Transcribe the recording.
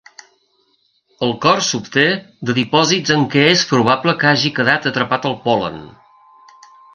El cor s'obté de dipòsits en què és probable que hagi quedat atrapat el pol·len.